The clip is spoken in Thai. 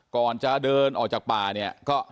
ก่อนจะเดินออกจากป่าเนี่ยก็